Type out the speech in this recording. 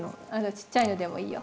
ちっちゃいのでもいいよ。